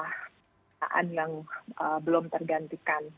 keadaan yang belum tergantikan